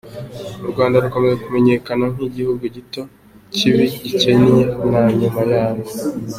U Rwanda rukomeza kumenyekana nk’igihugu gito, kibi, gikennye na nyuma yabwo.